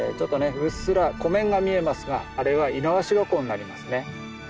うっすら湖面が見えますがあれは猪苗代湖になりますね。